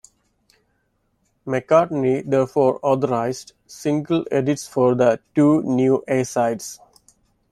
McCartney therefore authorised single edits for the two new A-sides.